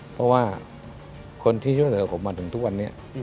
เพราะว่าคนที่ช่วยเหลือผมมาถึงทุกวันนี้